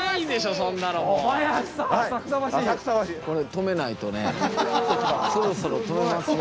これ止めないとねそろそろ止めますわ。